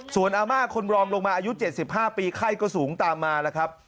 ส่วนอาม่าคนรองลงมาอายุ๗๕ปีไข้ก็สูงตามมาแล้วครับ